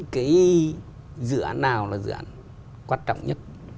cái dự án nào là dự án quan trọng nhất